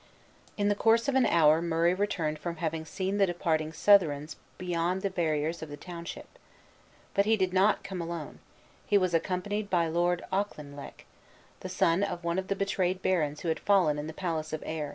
In the course of an hour Murray returned from having seen the departing Southrons beyond the barriers of the township. But he did not come alone; he was accompanied by Lord Auchinleck, the son of one of the betrayed barons who had fallen in the palace of Ayr.